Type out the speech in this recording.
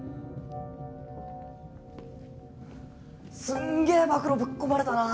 すんげえ暴露ぶっ込まれたな！